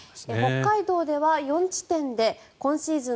北海道では４地点で今シーズン